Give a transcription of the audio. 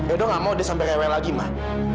edo nggak mau dia sampai lewat lagi mak